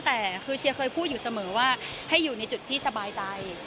แต่คือเชียร์เคยพูดอยู่เสมอว่าให้อยู่ในจุดที่สบายใจ